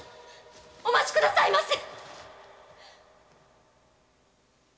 お待ち下さいませ。